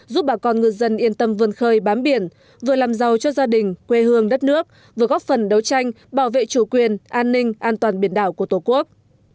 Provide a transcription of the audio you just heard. giúp bà con ngư dân yên tâm vươn khơi bám biển vừa làm giàu cho gia đình quê hương đất nước vừa góp phần đấu tranh bảo vệ chủ quyền an ninh an toàn biển đảo của tổ quốc